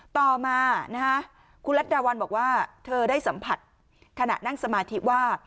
ต่อมาคุณรัฐดาวันบอกว่าเธอได้สัมผัสขณะนั่งสมาธิว่า